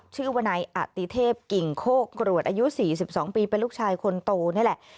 วนายอติเทพกิ่งโคกรวดอายุ๔๒ปีเป็นลูกชายคนโตนี่แหละ